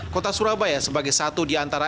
kota surabaya sebagai satu di antara